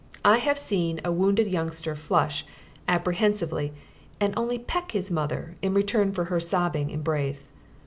I have seen a wounded youngster flush apprehensively and only peck his mother in return for her sobbing embrace.